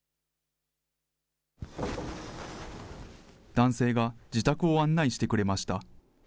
男性が自宅を案内してくれました。